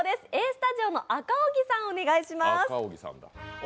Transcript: Ａスタジオの赤荻さん、お願いします。